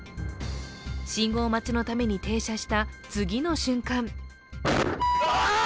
信号待ちのために停車した次の瞬間！